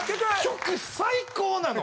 曲最高なの！